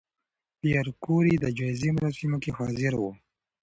پېیر کوري د جایزې مراسمو کې حاضر و.